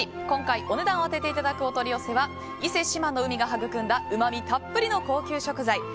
今回、お値段を当てていただくお取り寄せは伊勢志摩の海が育んだうまみたっぷりの高級食材